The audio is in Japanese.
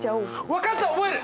分かった覚える！